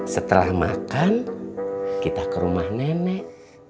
setelah makan kita ke rumah nenek